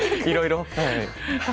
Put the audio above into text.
いろいろ。